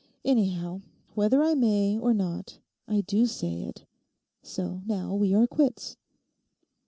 Anyhow, whether I may or not, I do say it. So now we are quits.